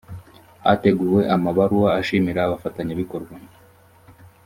hateguwe amabaruwa ashimira abafatanyabikorwa